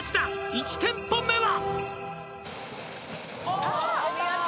「１店舗目は」